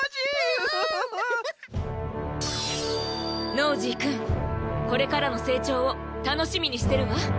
ノージーくんこれからのせいちょうをたのしみにしてるわ。